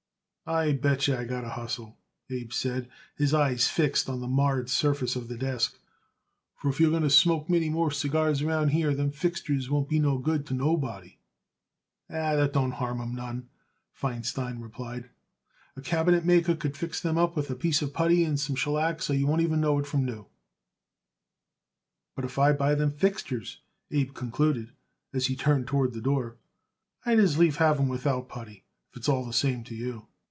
"I bet yer I got to hustle," Abe said, his eyes fixed on the marred surface of the desk, "for if you're going to smoke many more cigars around here them fixtures won't be no more good to nobody." "That don't harm 'em none," Feinstein replied. "A cabinetmaker could fix that up with a piece of putty and some shellac so as you wouldn't know it from new." "But if I buy it them fixtures," Abe concluded, as he turned toward the door, "I'd as lief have 'em without putty, if it's all the same to you."